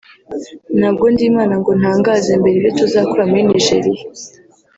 “Ntabwo ndi Imana ngo ntangaze mbere ibyo tuzakora muri Nigeria